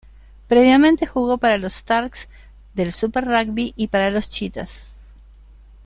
Previamente jugo para los Sharks del Super Rugby y para los Cheetahs.